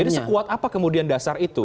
jadi sekuat apa kemudian dasar itu